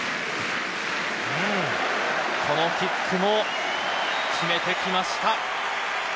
このキックも決めてきました。